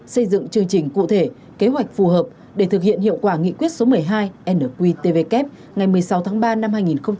xây dựng chương trình cụ thể kế hoạch phù hợp để thực hiện hiệu quả nghị quyết số một mươi hai nqtvk ngày một mươi sáu tháng ba năm hai nghìn hai mươi